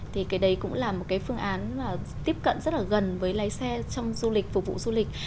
thì cái đấy cũng là một cái phương án mà tiếp cận rất là gần với lái xe trong du lịch phục vụ du lịch